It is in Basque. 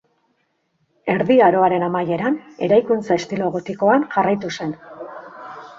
Erdi Aroaren amaieran eraikuntza estilo gotikoan jarraitu zen.